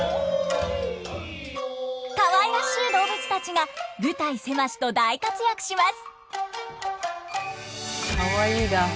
可愛らしい動物たちが舞台狭しと大活躍します！